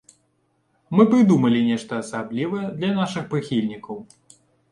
Мы прыдумалі нешта асаблівае для нашых прыхільнікаў!